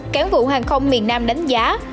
cán vụ hàng không miền nam đánh giá